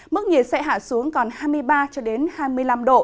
mức nhiệt sẽ hạ xuống còn hai mươi ba cho đến hai mươi năm độ